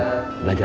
nunggu aja kan